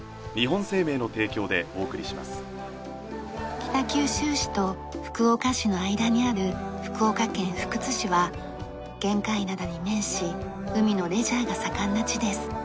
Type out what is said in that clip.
北九州市と福岡市の間にある福岡県福津市は玄界灘に面し海のレジャーが盛んな地です。